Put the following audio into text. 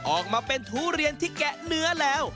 ออกมาเป็นทุเรียนที่แกะเนื้อแล้ว